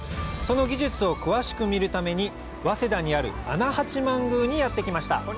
その技術を詳しく見るために早稲田にある穴八幡宮にやって来ました